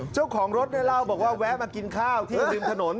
เจ้าของรถได้เล่าบอกว่าแวะมากินข้าวที่ริมถนน